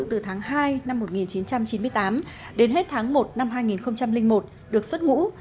từ tháng hai năm một nghìn chín trăm chín mươi tám đến hết tháng một năm hai nghìn một được xuất ngũ